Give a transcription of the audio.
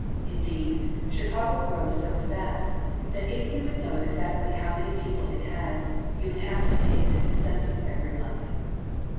Indeed, Chicago grows so fast that if you would know exactly how many people it has you would have to take a new census every month.